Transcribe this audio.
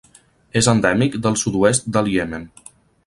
És endèmic del sud-oest del Iemen.